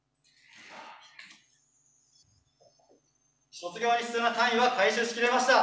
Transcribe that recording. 卒業に必要な単位は回収し切れました！